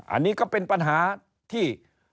อันนี้ก็เป็นปัญหาที่